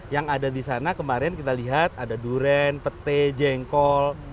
yang ada di sana kemarin kita lihat ada durian pete jengkol